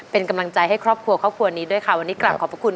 เป็นกำลังใจให้ครอบครัวครอบครัวนี้ด้วยค่ะวันนี้กลับขอบพระคุณ